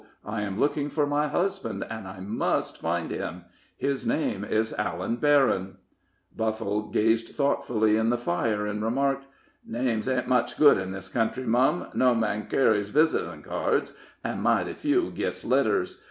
I am looking for my husband, and I must find him. His name is Allan Berryn." Buffle gazed thoughtfully in the fire, and remarked: "Names ain't much good in this country, mum no man kerries visitin' cards, an' mighty few gits letters.